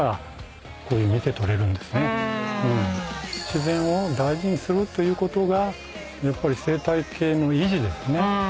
自然を大事にするということがやっぱり生態系の維持ですね。